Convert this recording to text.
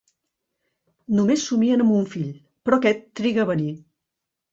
Només somien amb un fill, però aquest triga a venir.